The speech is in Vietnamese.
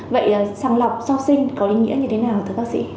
vậy sàng lọc sau sinh có ý nghĩa như thế nào thưa bác sĩ